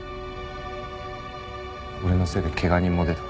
俺のせいでケガ人も出た。